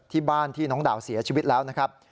ที่บ้านที่น้องดาวเสียชีวิตแล้วนะครับ